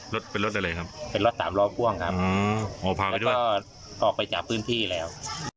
รถเป็นรถอะไรครับเป็นรถสามล้อพ่วงครับอืมอ๋อพาไปด้วยแล้วก็ออกไปจากพื้นที่แล้ว